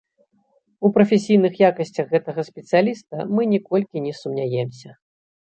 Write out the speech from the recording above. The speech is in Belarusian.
У прафесійных якасцях гэтага спецыяліста мы ніколькі не сумняемся.